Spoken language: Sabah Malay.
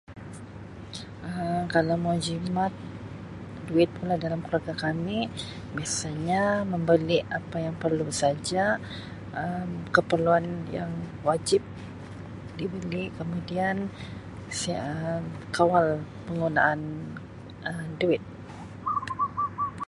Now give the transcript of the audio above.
Um Kalau mau jimat duit pula dalam keluarga kami biasanya membeli apa yang perlu saja Um keperluan yang wajib dibeli kemudian Um kawal penggunaan Um duit.